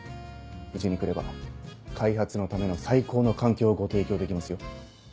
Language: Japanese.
うちに来れば開発のための最高の環境をご提供できますよ。